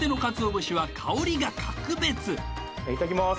いただきます